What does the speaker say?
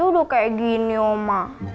udah kayak gini omah